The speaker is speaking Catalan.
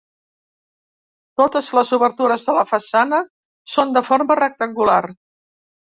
Totes les obertures de la façana són de forma rectangular.